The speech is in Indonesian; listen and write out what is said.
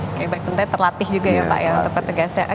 oke baik tentunya terlatih juga ya pak ya untuk ketegasan